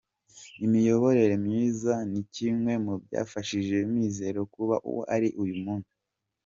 Imiyoborere myiza ni kimwe mu byafashije Mizero kuba uwo ari uyu munsi.